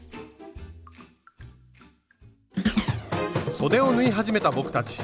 そでを縫い始めた僕たち。